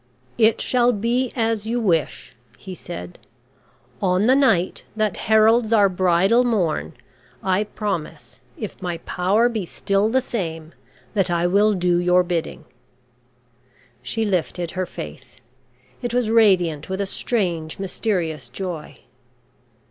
"It shall be as you wish," he said. "On the night that heralds our bridal morn, I promise, if my power be still the same, that I will do your bidding." She lifted her face. It was radiant with a strange mysterious joy.